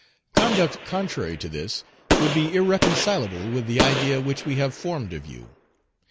Conduct contrary to this would be irreconcilable with the idea which we have formed of you.